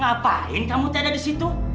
ngapain kamu tidak ada disitu